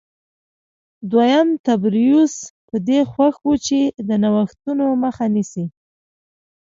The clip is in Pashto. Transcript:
دویم تبریوس په دې خوښ و چې د نوښتونو مخه نیسي